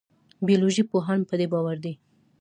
بیولوژي پوهان په دې باور دي.